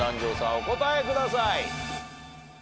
お答えください。